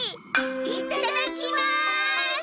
いただきます！